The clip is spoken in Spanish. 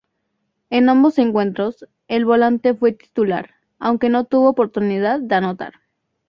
En ambos encuentros, el volante fue titular, aunque no tuvo oportunidad de anotar.